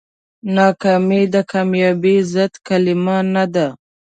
ناکامي د کامیابۍ ضد کلمه نه ده.